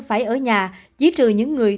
phải ở nhà giữ trừ những người